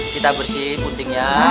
kita bersih putingnya